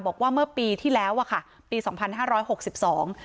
บอกว่าเมื่อปีที่แล้วอ่ะค่ะปีสองพันห้าร้อยหกสิบสอง